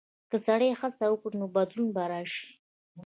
که سړی هڅه وکړي، نو بدلون به راشي.